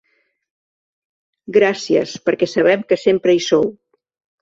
Gràcies perquè sabem que sempre hi sou.